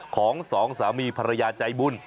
สองสามีภรรยาใจบุญ